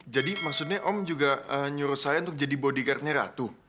jadi maksudnya om juga nyuruh saya untuk jadi bodyguard nya ratu